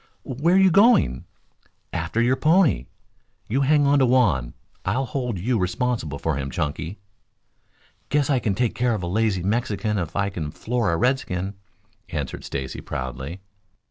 "Where are you going?" "After your pony. You hang on to Juan. I'll hold you responsible for him, Chunky." "Guess I can take care of a lazy Mexican if I can floor a redskin," answered Stacy proudly.